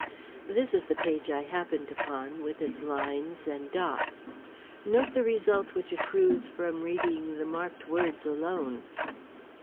This is the page I happened upon, with its lines and dots. Note the result which accrues from reading the marked words alone.